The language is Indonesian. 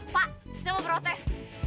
pak saya mau protes